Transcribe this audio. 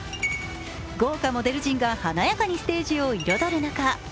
豪華モデル陣が華やかにステージを彩る中